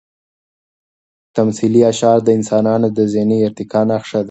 تمثیلي اشعار د انسانانو د ذهني ارتقا نښه ده.